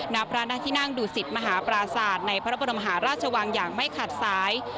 นับพระนาทินั่งดูสิทธิ์มหาปราสาทในพระมหาราชวังอย่างไม่ขาดซ้าย